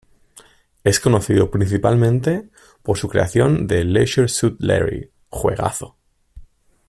Es conocido principalmente por su creación de "Leisure Suit Larry".